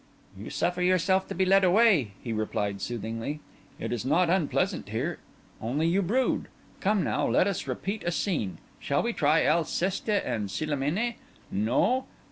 "You suffer yourself to be led away," he replied soothingly. "It is not unpleasant here; only you brood. Come, now, let us repeat a scene. Shall we try Alceste and Célimène? No?